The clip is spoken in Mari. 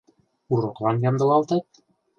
Уроклан ямдылалтат?